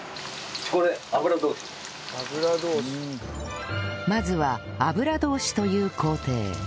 これまずは油通しという工程